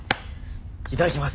いただきます。